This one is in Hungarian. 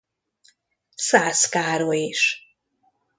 Szász Károly is.